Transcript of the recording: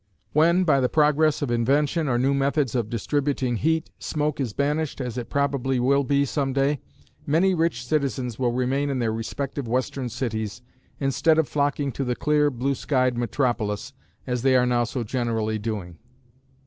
When, by the progress of invention or new methods of distributing heat, smoke is banished, as it probably will be some day, many rich citizens will remain in their respective western cities instead of flocking to the clear blue skied metropolis, as they are now so generally doing.